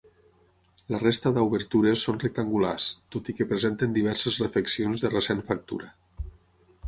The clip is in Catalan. La resta d'obertures són rectangulars, tot i que presenten diverses refeccions de recent factura.